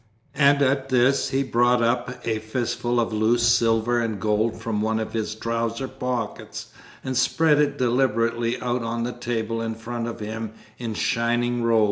And at this he brought up a fistful of loose silver and gold from one of his trouser pockets, and spread it deliberately out on the table in front of him in shining rows.